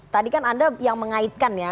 tadi kan anda yang mengaitkan ya